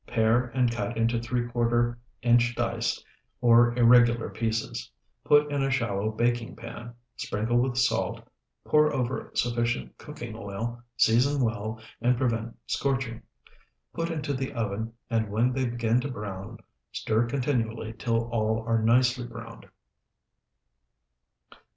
Pare and cut into three quarter inch dice or irregular pieces. Put in a shallow baking pan, sprinkle with salt, pour over sufficient cooking oil, season well, and prevent scorching. Put into the oven, and when they begin to brown, stir continually till all are nicely browned.